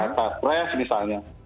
tata press misalnya